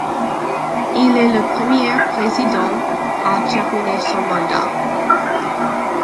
Il est le premier président à terminer son mandat.